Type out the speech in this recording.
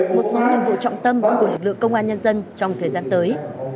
một số nhiệm vụ trọng tâm của lực lượng công an nhân dân trong thời gian tới